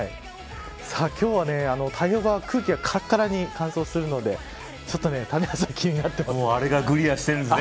今日は太平洋側が空気がからからに乾燥するので谷原さん気になってますね。